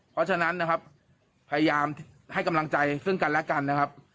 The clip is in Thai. เพราะฉะนั้นนะครับพยายามให้กำลังใจซึ่งกันและกันนะครับ